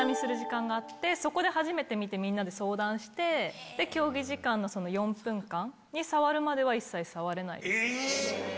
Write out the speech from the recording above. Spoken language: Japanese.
そこで初めて見てみんなで相談して競技時間の４分間に触るまでは一切触れないです。